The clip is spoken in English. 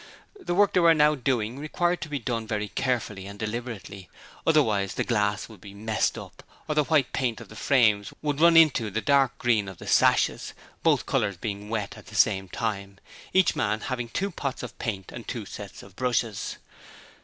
The work they were now doing required to be done very carefully and deliberately, otherwise the glass would be 'messed up' or the white paint of the frames would 'run into' the dark green of the sashes, both colours being wet at the same time, each man having two pots of paint and two sets of brushes.